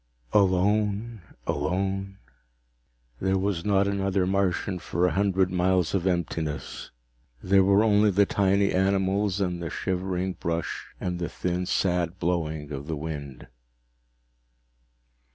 Alone, alone. There was not another Martian for a hundred miles of emptiness. There were only the tiny animals and the shivering brush and the thin, sad blowing of the wind.